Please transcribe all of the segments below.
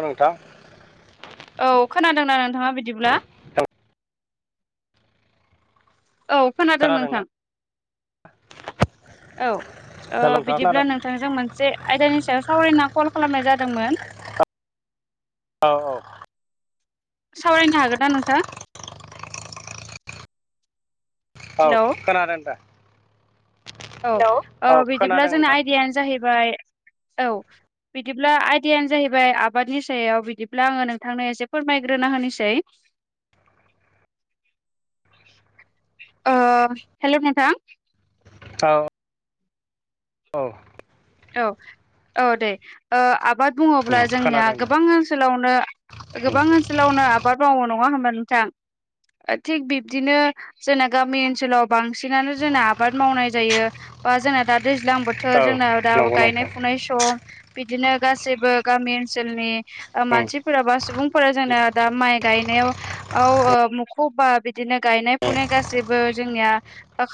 औ नोंथां औ खोनादोंना नोंथाङा बिदिब्ला औ खोनादों नोंथां खोनादोंना औ ओ हेल' नोंथां खोनादों बिदिब्ला नों नोंथांजों मोनसे आयदानि सायाव सावरायना कल खालामनाय जादोंमोन औ औ सावरायनो हागोन ना नोंथां औ हेलौ खोनादों नोंथां औ औ बिदिब्ला जोंना नोंथां आयदायानो जाहैबाय औ बिदिब्ला आयदायानो जाहैबाय आबादनि सायाव बिदिब्ला आङो नोंथांनो एसे फोरमायग्रोना होनोसै ओ हेलौ नोंथां औ औ औ औ दे ओ आबाद बुङोब्ला उम जोंनिया खोनादों दे गोबां ओनसोलावनो उम गोबां ओनसोलावनो आबाद मावो नङा होमबा नोंथां थिग बिब्दिनो जोंना गामि ओनसोलाव बांसिनानो जोंना आबाद मावनाय जायो बा जोंना दा दैज्लां बो थोर औ जोंना दा नंगौ गायनाय नोंथां फुनाय सम बिदिनो गासैबो गामि ओनसोलनि ओ उम मानसिफोरा बा सुबुंफोरा जोंना दा माइ गायनायाव मुखु बा बि दिनो गायनाय फुनाय गासैबो जोंनिया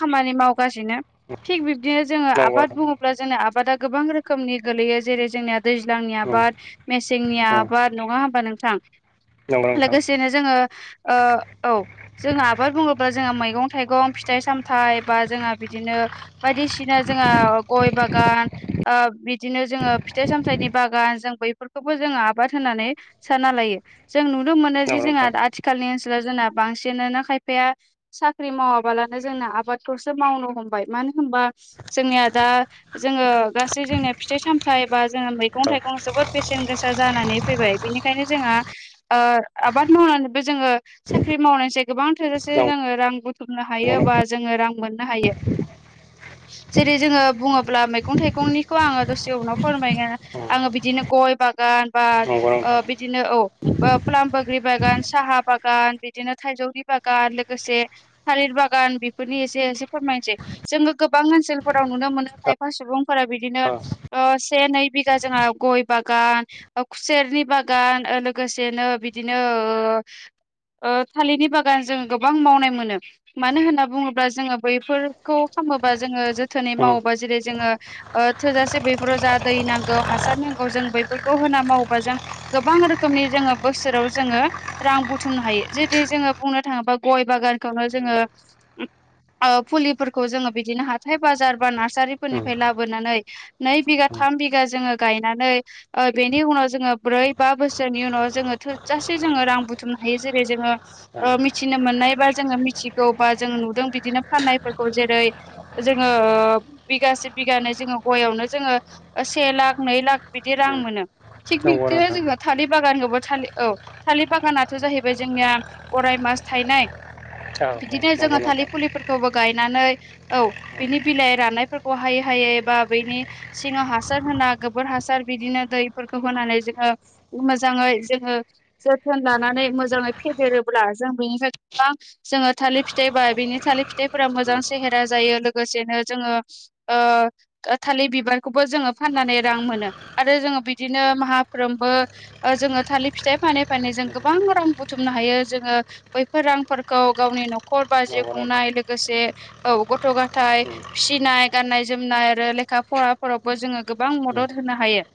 खामानि मावगासिनो उम थिग बिब्दिनो जोङो नंगौ आबाद बुङोब्ला जोंना आबादा गोबां रोखोमनि गोलैयो जेरै जोंनिया दैज्लांनि उम आबाद मेसेंनि उम आबाद नङा होमबा नोंथां नंगौ नोंथां लोगोसेनो जोङो ओ औ जोङो आबाद बुङोब्ला जोंहा मैगं थाइगं फिथाइ सामथाइ बा जोंहा बिदिनो बायदिसिना जोंहा गय बागान ओ बिदिनो जोङो फिथाइ सामथाइनि बागान जों बैफोरखौबो जोङो आबाद होनानै साना लायो जों नुनो मोनो जि नंगौ जोंहा नोंथां आथिखालनि ओनसोलाव जोंना बांसिन ना खायफाया साख्रि मावाबालानो जोंनो आबादखौसो मावनो हमबाय मानो होनबा जोंनिया दा जोङो गासै जोंनिया फिथाइ सामथाइ बा जोङो मैगं औ थाइगं जोबोद बेसेन गोसा जानानै फैबाय बेनिखायनो जोंहा ओ आबाद मावनानैबो जोङो साख्रि मावनायनिस गोबां थोजासे नंगौ जोङो रां बुथुनो हायो बा नोंथां जोङो रां मोननो ह जेरै जोङो बुङोब्ला मैगं थाइगं गंखौ आङो दसे उनाव फोरमायनो उम आङो बिदिनो गय बागान बा नंगौ ओ नोंथां बि दिनो औ पलाम बोग्रि बागान साहा बागान बिदिनो थाइजौनि बागान लोगोसे थालिर बागान बेफोरनि एसे एसे फोरमायनोसै। जोङो गोबां ओनसोलफोराव नुनो मोनो खायफा सुबुंफोरा बिदिनो औ औ ओ से नै बिघा जोंहा गय बागान खुसेरनि बागान लोगोसेनो बिदिनो ओ ओ थालिरनि बागान जोंङो गोबां मावनाय मोनो। मानो होनना बुङोब्ला जोङो बैफोरखौ खालामामोबा जोङो जोथोनै उम मावोबा जेरै जोङो ओ थोजासे बैफोराव जा दै नांगौ हासार नांगौ जों बैफोरखौ होना मावोबा जों गोबां रोखोमनि जोंङो बोसोराव जोंङो रां बुथुमनो हायो जुदि जोङो बुंनो थांङोब्ला गय बागानखौनो जोङो फुलिफोरखौ जोंङो बिदिनो हाथाय बाजार बा उम नार्सारिफोरनिफ्राय लाबोनानै नै बिघा उम थाम बिगा जोंङो गायनानै ओ बेनि उनाव जोङो ब्रै बा बोसोरनि उनाव जोंङो थोजासे जोंङो रां बुथुमनो हायो जेरै जोंङो औ मिथिनो मोननाय बा जोङो मिथिगौ बा जों नुदों बिदिनो फाननायफोरखौ जेरै जोंङो बिगासे बिगानो जोंङो गयावनो जोंङो से लाख नै लाख बिदि रां उम मोनो। थिग नंगौ बिदुनो नोंथां जोंङो थालिर बागानखौा था औ थालिर बागानाथ' जाहैबाय जोंनिया अराय मास थायनाय। औ बिदिनो नंगौ जोंङो थालि नोंथां पुलि फोरबो गायनानै औ बिनि बिलाइ राननायफोरखौहायो थाय बा बैनि सिङाव हासार होना गोबोर हासार बिदिनो दैफोरखौ होनानै जोङो मोजाङै जोंङो जोथोन लानानै मोजांङै फेदेरोब्ला जों बेनिफ्राय गोबां जोंङो थालिर फिथाइ बा बिनि थालिर फिथाइफोरा मोजां उम सेहेरा जायो लोगोसेनो जोंङो ओ थालिर बिबारखौबो जोंङो फाननानै रां मोनो आरो जोंङो बिदिनो माहाफ्रोमबो ओ जोंङो थालिर फिथाइ फानै फानै जों गोबां रां बुथुमनो हायो जोंङो बैफोर रांफोरखौ गावनि न'खर ब जिउ नंगौ नोंथां खुंनाय लोगोसे औ गथ' गथाय उम फिसिनाय गाननाय जोमनाय आरो लेखा फराफोरावबो जोंङो गोबां उम मदद होनो हायो।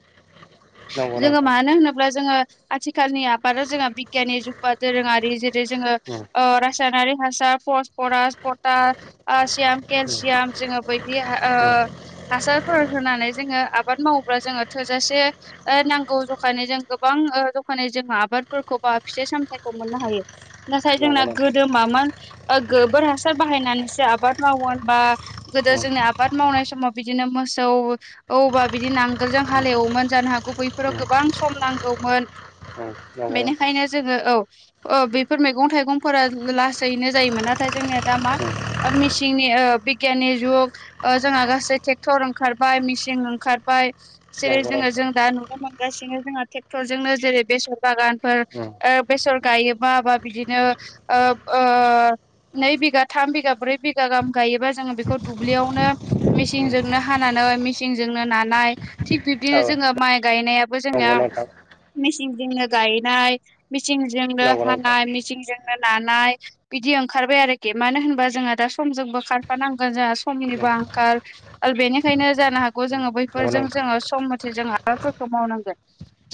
नंगौ जोंङो नोंथां उम मानो होनोब्ला जोंङो आथिखालनि आबादा जोंहा बिगियाननि जुगबा दोरोङारि जेरै जोंङो उम ओ रासायनारि हासार फसफरास पट पासियाम केलसियाम जोंङो बै बे उम हासारफोर होनानै जोंङो आबाद मावोब्ला जोंङो थोजासे ओ नांगौ जखानि जों गोबां ओ जखानि जोंङो आबादफोरखौ बा फिथाइ सामथाइखौ मोननो हायो। नाथाय नंगौ जोंना नोंथां गोदो मामोन गोबोर हासार बनानै आबाद माव बा नंगौ नोंथां नंगौ जोंनि आबाद मावनाय समाव बिदिनो मोसौ औबा बिदि नांगोलजों हालेवोमोन जानो हागौ बैफोराव गोबां सम नांगौमोन। नोंथां बेनिखायनो जोंङो औ अ बेफोर मैगं थाइगंफोरा लासैनो जायोमोन नाथाय जोंनिया दा मा? औ मिसिंनि बिगियाननि जुग ओ जोंहा गासै ट्रेक्टर ओंखारबाय मेचन ओंखारबाय जेरै नंगौ नोंथां नंगौ जोंङो जों नोंथां दा नुनो मोनगासिनो जोंहा ट्रेक्टरजोंनो जेरै बेसर नंगौ बागानफोर ओ बेसर गायोबा बा बिदिनो ओ ओ नै बिघा थाम बिघा ब्रै बिघा गाहाम गायोबा जोंङो बेखौ दुब्लियावनो नोंथां मेसिंजोंनो हानानै मेसिंजोंनो नानाय थिग नंगौ नोंथां बिबदिनो औ जोंङो माइ गायनायाबो नंगौ जोंनिया नोंथां मेसिंजोंनो गायनाय मेसिंजोंनो हानाय मेसिंजोंनो नानाय बिदि ओंखारबाय आरोखि मानो होनबा जोंहा दा समजोंबो खारफानांगोन जोंहा समनिबो नंगौ आंखाल आरो बेनिखायनो जानो हागौ नोंथां जोङो बैफोरजों जोङो सम मथे जोंङो आबादफोरखौ मावनांगोन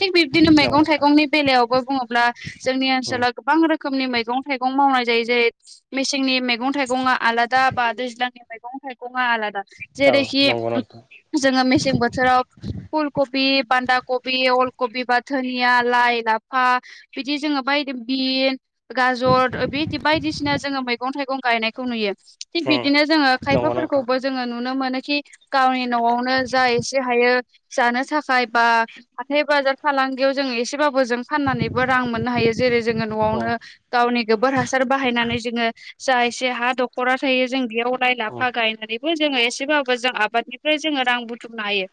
थिग बिबदिनो मैगं थाइगंनि बेलायावबो बुङोब्ला जोंनि ओनसोलाव गोबां रोखोमनि मैगं थाइगं मावनाय जायो जेरै मेसेंनि मैगं थाइगं आलादा बा दैज्लांनि मैगं थाइगं आलादा जेरैखि जोंङो मेसें बोथोराव फुल कबि बान्दा कबि अलकबि बा धोनिया लाइ लाफा बिदि जोंङो बाय बिन गाजर बि बायदिसिना जोंङो मैगं थाइगं गायनायखौ नुयो थिग बिदिनो जोंङो खाय जोंङो नुनो मोनोखि गावनि न'आवनो जा एसे हायो जानो थाखाय बा हाथाय बाजार फालांगियाव जोङो एसेबाबो जों फाननानैबो रां मोननो हायो जेरै जोङो न'आवनो गावनि गोबोर हासार बाहायनानै जोङो जा एसे हा दखरा थायो जों बेयाव लाइ ला फा गायनानैबो जोङो एसेबाबो जों आबादनिफ्राय जोङो रां बुथुमनो हायो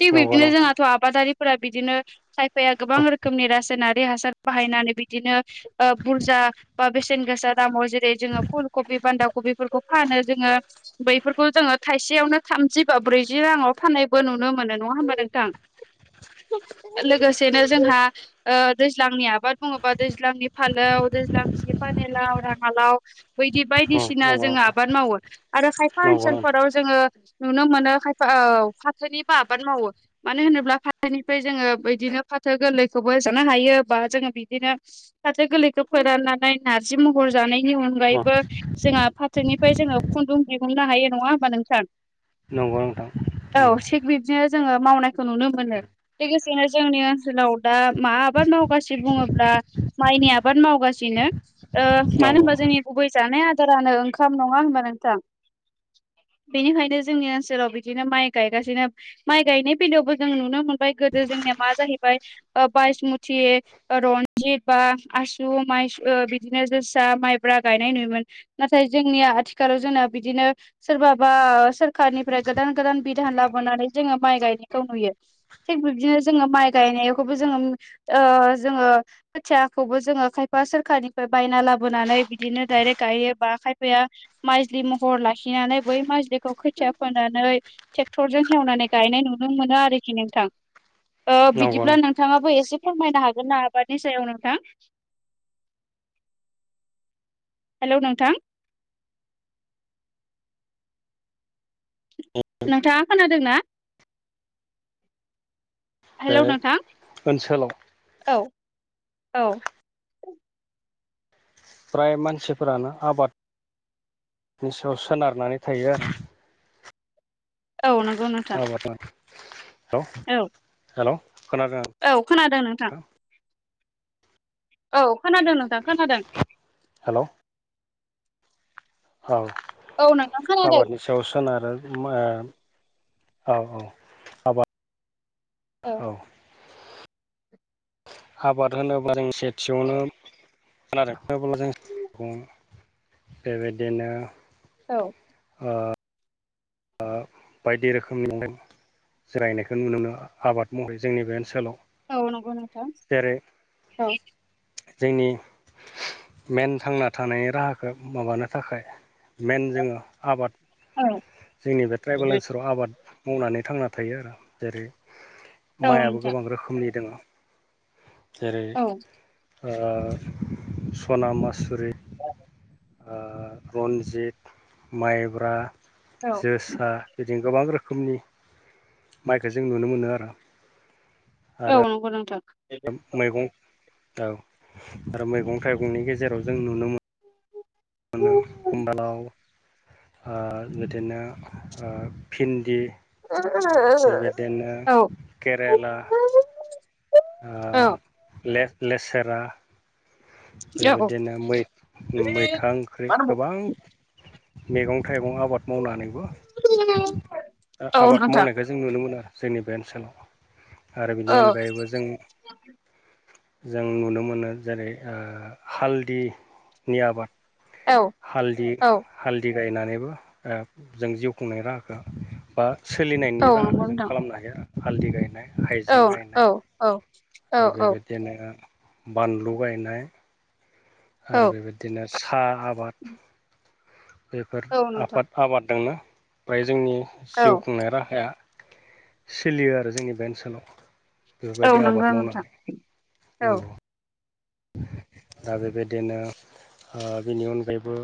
थिग बिब्दिनो जोंनाथ आबादारिफोरा बिदिनो खायफाया गोबां रोखोमनि रासायनारि हासार बाहायनानै बिदिनो ओ बुरजा बा बेसेन गोसा दामाव जेरै जोङो फुल कबि बान्दा कबिफोरखौ फानो जोङो बैफोरखौ जोङो थाइसेयावनो थामजि बा ब्रैजि राङाव फाननायबो नुनो मोनो नङा होमबा नोंथां लोगोसेनो जोंहा ओ दैज्लांनि आबाद बुङोबा दैज्लांनि फालौ दैज्लांनि फानि लाव राङालाव बैदि बायदिसिना नंगौ जोङो नोंथां आबाद मावो आरो खायफा नंगौ नोंथां ओनसोलफोराव जोङो नुनो मोनो खायफा औ फाथोनिबो आबाद मावो मानो होनोब्ला फाथोनिफ्राय जोङो बिदिनो फाथो गोरलैखौबो जानो हायो बा जोङो बिदिनो फाथो गोरलैखौ फोराननानै नारजि महरै जानायनि अनगायैबो जोंहा फाथोनिफ्राय जोङो खुन्दुं दिहुननो हायो नङा होमबा नोंथां नंगौ नंगौ नोंथां औ थिग बिब्दिनो जोङो मावनायखौ नुनो मोनो लोगोसेनो जोंनि ओनसोलाव दा मा आबाद मावगासिनो बुङोब्ला माइनि आबाद मावगासिनो ओ मानो नंगौ होनबा जोंनि गुबै जानाय आदारानो ओंखाम नङा होनबा नोंथां बेनिखायनो जोंनि ओनसोलाव बिदिनो माइ गायगासिनो माइ गायनाय बेलायावबो जों नुनो मोनबाय गोदो जोंनिया मा जाहैबाय ओ बायसमुथि रनजित बा आसु माइ बिदिनो जोसा माइब्रा गायनाय नुयोमोन नाथाय जोंनिया आथिखालाव जोंना बिदिनो सोरबाबा सोरखारनिफ्राय गोदान गोदान बिधान लाबोनानै जोङो माइ गायनायखौ नुयो थिग बिब्दिनो जोङो माइ गायनायखौबो जोङो ओ जोङो खोथियाखौबो जोङो खायफा सोरखारनिफ्राय बायना लाबोनानै बिदिनो डायरेक्ट गायो बा खायफाया माइजलि महर लाखिनानै बै माइजलिखौ खोथिया फोनानै ट्रेक्टरजों हेवनानै गायनाय नुनो मोनो आरोखि नोंथां ओ नंगौ बिदिब्ला नों नोंथाङाबो एसे फोरमायनो हागोनना आबादनि सायाव नोंथां हेलौ नोंथां नोंथाङा खोनादोंना बे हेलौ नोंथां ओनसोलाव औ औ फ्राय मानसिफोरानो आबादनि सायाव सोनारनानै थायो आरो औ नोंगौ नों औ माथोमोन हेल' हेल' खोनादों औ खोनादों नोंथां औ खोनादों नोंथां खोनादों हेल' औ औ नोंथां खोनादों आबादनि सायाव सोनारो माआ औ औ आबाद औ आबाद होनोब्ला जों सेथियावनो खोनादों होनोब्ला जों [unintelligible] थिग बिदिनो औ ओ आ बायदि रोखोमनि जिरायनायखौ नुनो मोनो आबाद महरै जोंनि बे ओनसोलाव औ नंगौ नोंथां जेरै औ जोंनि मेन थांना थानायनि राहाखौ माबानो थाखाय मेन जोङो आबाद औ जोंनि बे ट्राइबेल ओनसोलाव आबाद मावनानै थांना थायो आरो जेरै औ माइआबो नोंथां गोबां रोखोमनि दङ जेरै औ ओ सना मासुरि ओ रन्जित माइब्रा औ जोसा बिदि गोबां रोखोमनि माइखो जों नुनो मोनो आरो औ आरो नंगौ नोंथां औ मैगं औ आरो मैगं थाइगंनि गेजेराव जों नुनो मोनो औ मोनो खुमब्रा लाव [unintelligible] ओ बिदिनो ओ भिन्दि औ बेबायदिनो केरेला ओ औ लेट लेसेरा नोंथां बेबायदिनो मै मैथा ओंख्रि गोबां मैगं थाइगं आबाद मावनानैबो आबाद मावनाय बे जों नुनो मोनो आरो जोंनि बे ओनसोलाव आरो बेनि अनगायैबो जों जों नुनो मोनो जेरै ओ हालदिनि आबाद हालदि हालदि गायनानैबो जों जिउ खुंनायनि राहाखौ बा सोलिनायनि राहाखौ जों खालामनो हायो हालदि गायनाय औ हाइजें औ गायनाय औ आरो बेबायदिनो बानलु गायनाय आरो बेबाय दिनो साहा आबाद बेफोर औ नंगौ नोंथां औ औ आबाद आबाददोंनो ओमफ्राय जोंनि औ नोंथां औ जिउ खुंनाय राहाया सोलियो आरो जोंनि बे ओनसोलाव औ बेफोरबायदि आबाद नंगौ नोंथां मावनानै औ नंगौ दा बेबायदिनो आ बेनि अनगायैबो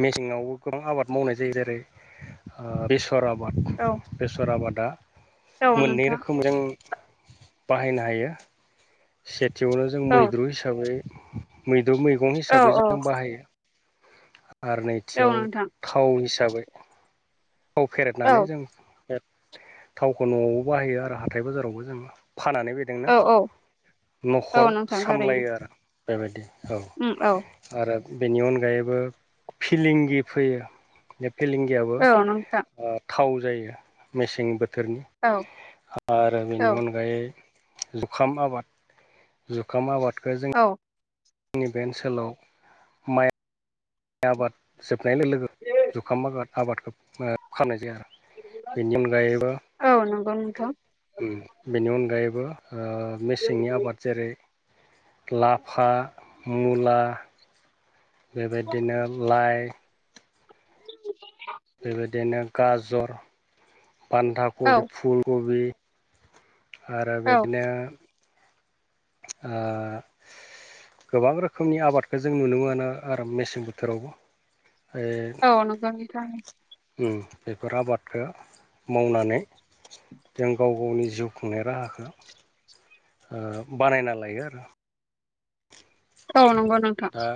मेसेंवावबो गोबां आबाद मावनाय जायो जेरै आ बेसर आबाद औ बेसर आबादा औ मोननै नोंथां रोखोमजों बाहायनो हायो सेथियावनो जों औ मैद्रु हिसाबै मैद्रु मैगं औ हिसाबै औ जों बाहायो आरो नैथियाव नोंथां थाव हिसाबै औ फेरेदनानै जों थावखौ न'आवबो बाहायो आरो हाथाय बाजारावबो जों फाननानै बे ना औ औ औ न'खर नोंथां थारैनो सामलायो आरो बेबायदि औ। उम औ। आरो बेनि अनगायैबो फिलिंगि फैयो बे फिलिंगियाबो औ नंगौ नोंथां। ओ थाव जायो मेसें बोथोरनि औ आरो औ बेनि अनगायै जुखाम आबाद जुखाम आबादखौ जों औ। जोंनि बे ओनसोलाव माइ आबाद जोबनाय लोगो जुखाम आबादखौ खालामनाय जायो आरो। बेनि अनगायैबो औ नंगौ नोंथां। ओ बेनि अनगायैबो ओ मेसेंनि आबाद जेरै लाफा मुला बेबायदिनो लाइ [unintelligible] बेबायदिनो गाजर बान्दा कबि औ फुल कबि आरो औ बिदिनो ओ गोबां रोखोमनि आबादखौ जों नुनो मोनो आरो मेसें बोथोरावबो। औ नंगौ नोंथां। बेफोर आबादखौ मावनानै जों गाव गावनि जिउ खुंनाय राहाखौ बानायना लायो आरो। औ नंगौ नोंथां। दा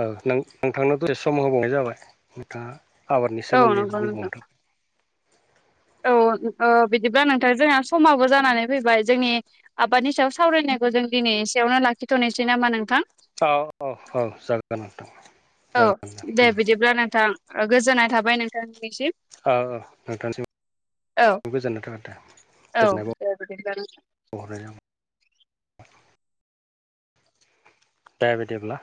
औ नोंथांनावथ' एसे सम होबावनाय जाबाय नोंथाङा आबादनि औ सोमोन्दै नंगौ बुंबावनो नोंथां थाखाय। औ बिदिब्ला नोंथां जोंहा समाबो जानानै फैबाय जोंनि आबादनि सायाव सावरायनायखौ जों दिनै एसेयावनो लाखिथ'नोसै नामा नोंथां। औ औ औ जागोन नोंथां। औ दे बिदिब्ला नोंथां गोजोननाय थाबाय नोंथांनिसिम। औ औ नोंथांसिम औ गोजोननाय थाबाय नोंथा औ गोजोन नाय। दे बिदिब्ला नोंथां। [unintelligible] दे बिदिब्ला